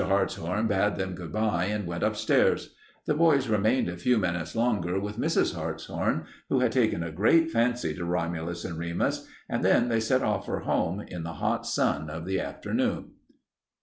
Hartshorn bade them good by and went upstairs. The boys remained a few minutes longer with Mrs. Hartshorn, who had taken a great fancy to Romulus and Remus, and then they set off for home in the hot sun of the afternoon.